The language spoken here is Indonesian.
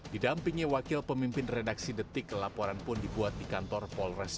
didampingi wakil pemimpin redaksi detik laporan pun dibuat di kantor polres